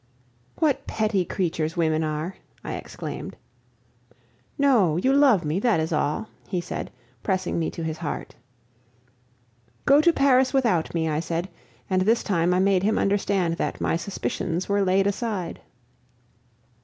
"What petty creatures women are!" I exclaimed. "No, you love me, that is all," he said, pressing me to his heart. "Go to Paris without me," I said, and this time I made him understand that my suspicions were laid aside.